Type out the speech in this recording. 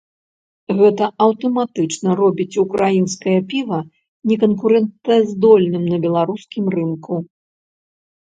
Гэта аўтаматычна робіць ўкраінскае піва неканкурэнтаздольным на беларускім рынку.